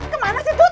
kemana sih tut